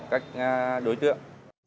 các đối tượng